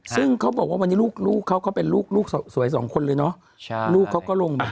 ซึ่งเขาบอกว่าวันนี้ลูกเขาก็เป็นลูกสวยสองคนเลยเนอะลูกเขาก็ลงมา